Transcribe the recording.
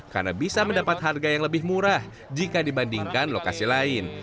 karena bisa mendapat harga yang lebih murah jika dibandingkan lokasi lain